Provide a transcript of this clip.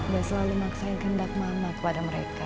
dia selalu maksain kendak mama kepada mereka